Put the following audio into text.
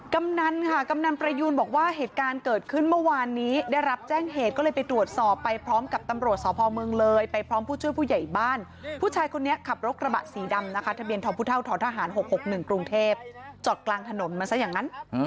กำนันค่ะกำนันประยูนบอกว่าเหตุการณ์เกิดขึ้นเมื่อวานนี้ได้รับแจ้งเหตุก็เลยไปตรวจสอบไปพร้อมกับตำรวจสพเมืองเลยไปพร้อมผู้ช่วยผู้ใหญ่บ้านผู้ชายคนนี้ขับรถกระบะสีดำนะคะทะเบียนทองพุทธทหาร๖๖๑กรุงเทพจอดกลางถนนมันซะอย่างนั้น